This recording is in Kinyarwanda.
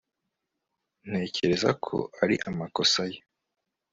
Ntekereza ko ari amakosa ye